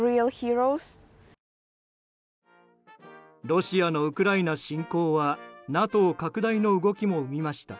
ロシアのウクライナ侵攻はＮＡＴＯ拡大の動きも生みました。